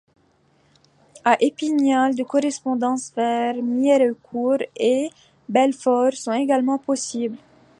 À Épinal, des correspondances vers Mirecourt et Belfort sont également possible.